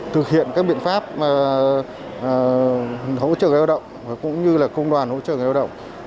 thực hiện các biện pháp hỗ trợ giao động cũng như là công đoàn hỗ trợ giao động